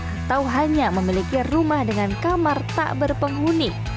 atau hanya memiliki rumah dengan kamar tak berpenghuni